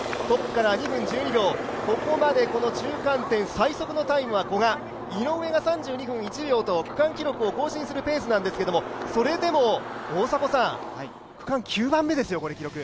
トップからは２分１２秒、ここまで中間点最速のタイムは古賀、井上が３２分１秒と区間記録を更新するペースなんですけど、それでも大迫さん、区間９番目ですよ。